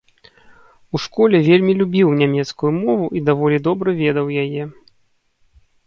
У школе вельмі любіў нямецкую мову і даволі добра ведаў яе.